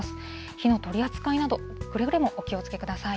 火の取り扱いなど、くれぐれもお気をつけください。